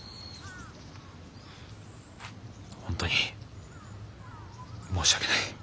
本当に申し訳ない。